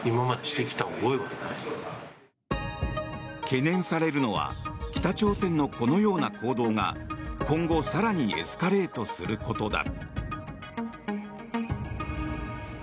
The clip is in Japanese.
懸念されるのは北朝鮮のこのような行動が今後更にエスカレートすることだ。